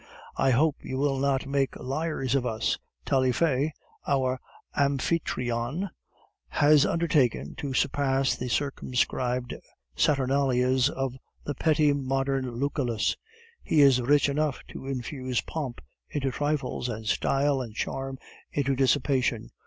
I hope you will not make liars of us. Taillefer, our amphitryon, has undertaken to surpass the circumscribed saturnalias of the petty modern Lucullus. He is rich enough to infuse pomp into trifles, and style and charm into dissipation...